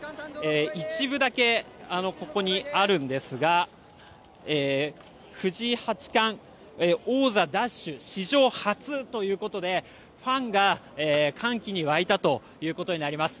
１部だけ、ここにあるんですが藤井八冠王座奪取、史上初ということでファンが歓喜に沸いたということになります。